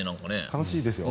楽しいですよ。